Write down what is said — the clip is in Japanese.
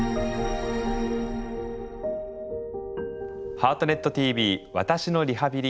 「ハートネットＴＶ私のリハビリ・介護」。